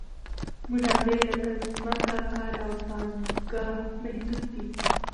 منابع لکه ځمکه، کار او پانګه محدود دي.